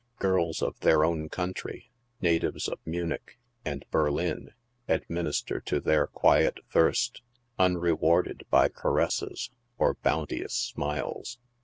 Girls of their own country, natives of Munich and Berlin, administer to their quiet thirst, unrewarded by caresses or bounteous smiles.